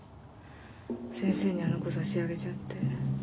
先生にあの子差し上げちゃって。